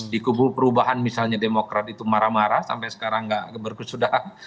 di kubu perubahan misalnya demokrat itu marah marah sampai sekarang nggak berkesudahan